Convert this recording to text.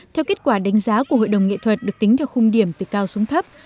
theo kết quả đánh giá của hội đồng nghệ thuật được tính theo khung điểm từ cao xuống thấp